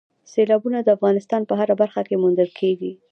سیلابونه د افغانستان په هره برخه کې موندل کېږي.